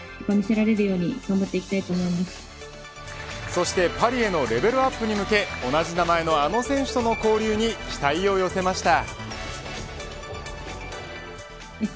そしてパリへのレベルアップに向け同じ名前のあの選手との交流に期待を寄せました。